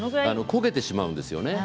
焦げてしまうんですよね。